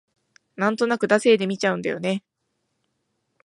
なんとなく惰性で見ちゃうんだよね